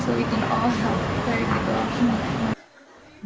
jadi kita semua harus berhati hati